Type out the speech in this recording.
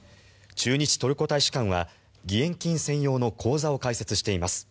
駐日トルコ大使館は義援金専用の口座を開設しています。